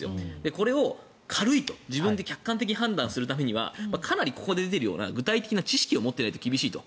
これを軽いと自分で客観的に判断するにはかなりここで出ているような具体的な知識を持っていないと厳しいと。